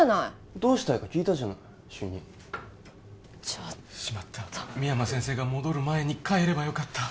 どうしたいか聞いたじゃない主任ちょっとしまった深山先生が戻る前に帰ればよかった